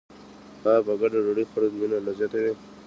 آیا په ګډه ډوډۍ خوړل مینه نه زیاتوي؟